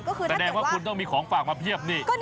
แสดงว่าคุณต้องมีของฝากมาเพียบนี่